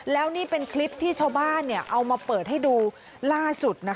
แล้วนี่เป็นคลิปที่ชาวบ้านเอามาเปิดให้ดูล่าสุด